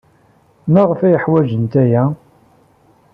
Maɣef ay ḥwajent aya?